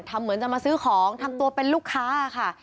เหมือนจะมาซื้อของทำตัวเป็นลูกค้าค่ะ